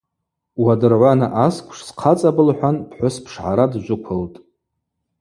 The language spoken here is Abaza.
Уадыргӏвана асквш схъацӏапӏ лхӏван пхӏвыс пшгӏара дджвыквылтӏ.